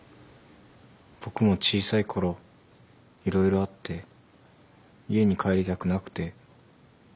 僕も小さいころ色々あって家に帰りたくなくて。